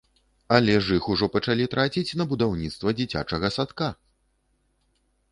Але ж іх ужо пачалі траціць на будаўніцтва дзіцячага садка!